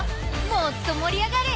もっと盛り上がれ！